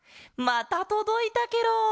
またとどいたケロ。